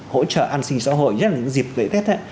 hỗ trợ an sinh xã hội nhất là những dịp lễ tết